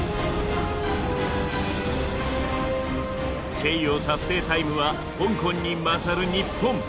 チェイヨー達成タイムは香港に勝る日本。